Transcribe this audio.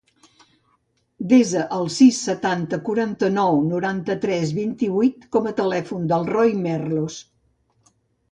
Desa el sis, setanta, quaranta-nou, noranta-tres, vint-i-vuit com a telèfon del Roi Merlos.